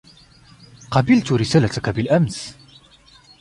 قبلتُ رسالتك بالأمس.